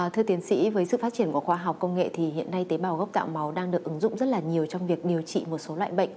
thưa tiến sĩ với sự phát triển của khoa học công nghệ thì hiện nay tế bào gốc tạo màu đang được ứng dụng rất là nhiều trong việc điều trị một số loại bệnh